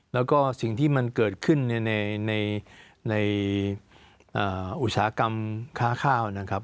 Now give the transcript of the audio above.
แล้วก็สิ่งที่มันเกิดขึ้นในอุตสาหกรรมค้าข้าวนะครับ